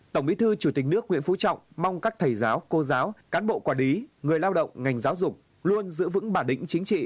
tổng bí thư chủ tịch nước nguyễn phú trọng mong các thầy giáo cô giáo cán bộ quả đí người lao động ngành giáo dục luôn giữ vững bả đỉnh chính trị